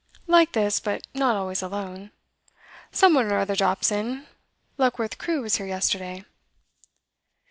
'Like this, but not always alone. Some one or other drops in. Luckworth Crewe was here yesterday.